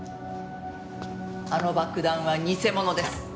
あの爆弾は偽物です。